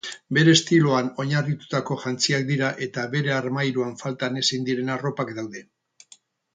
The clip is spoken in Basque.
Bere estiloan oinarritutako jantziak dira eta bere armairuan falta ezin diren arropak daude.